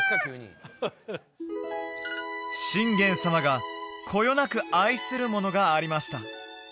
急にハハハ信玄様がこよなく愛するものがありました